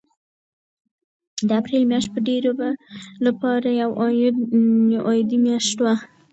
د اپریل میاشت به د ډېرو لپاره یوه عادي میاشت وي.